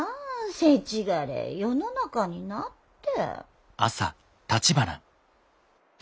せちがれえ世の中になって。